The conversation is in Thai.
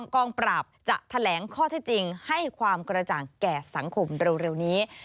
กองปราบจะแถลงข้อเท็จจริงให้ความกระจ่างแก่สังคมเร็วนี้